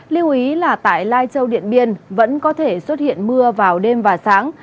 lưu ý là tại lai châu điện biên vẫn có thể xuất hiện mưa vào đêm và sáng